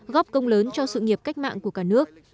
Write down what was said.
góp công lớn cho sự nghiệp cách mạng của cả nước